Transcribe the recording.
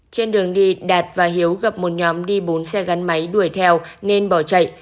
trên đường đi đạt và hiếu gặp một nhóm đi bốn xe gắn máy đuổi theo nên bỏ chạy